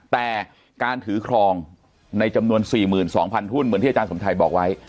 แต่การถือครองในจำนวน๔๒๐๐หุ้นเหมือนที่อาจารย์สมชัยบอกไว้